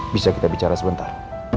bisa kita bicara sebentar